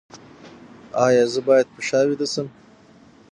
ایا زه باید په شا ویده شم؟